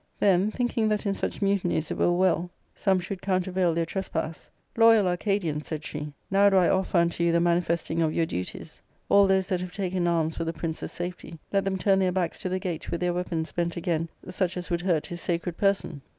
Then, thinking that in such mutinies it were well some should counter . vail their trespass, " Loyal Arcadians," said she, " now do I offer unto you the manifesting of your duties : all those that have taken arms for the prince's safety, let them turn their backs to the gate with their weapons bent again such as would \ hurt his sacred person."